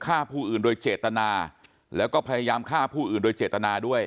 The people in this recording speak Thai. ฆ่าผู้อื่นโดยเจตนาแล้วก็พยายามฆ่าผู้อื่นโดยเจตนาด้วย